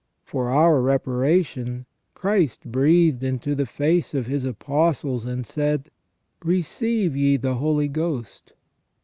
For our reparation Christ breathed into the face of His Apostles and said :" Receive ye the Holy Ghost